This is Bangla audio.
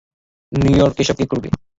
নিউইয়র্কে এসব কে করবে?